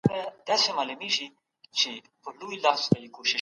سرلوړي د هغو ده چي له الله څخه وېرېږي.